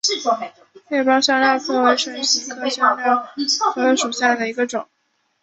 裂苞香科科为唇形科香科科属下的一个种。